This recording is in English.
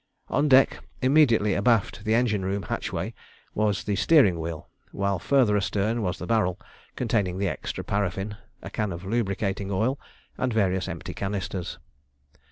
On deck, immediately abaft the engine room hatchway, was the steering wheel, while farther astern was the barrel containing the extra paraffin, a can of lubricating oil, and various empty canisters.